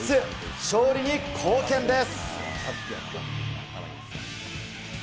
勝利に貢献です。